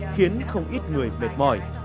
khiến không ít người mệt mỏi